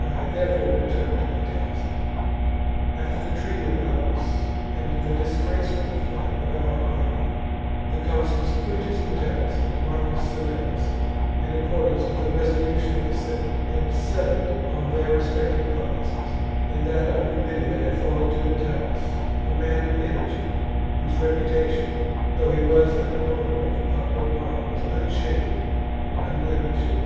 I therefore return to my task. After the treaty of Aulus and the disgraceful flight chap. of our army, the consuls Quintus Metellus and Marcus Silanus, in accordance with a resolution of the Senate, had settled on their respective provinces, and that of Numidia had fallen to Metellus, a man of energy, whose reputation, though he was an opponent of the popular party, was unshaken and unblemished.